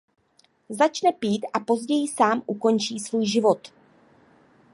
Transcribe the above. Začne pít a později sám ukončí svůj život.